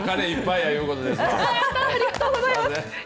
ありがとうございます。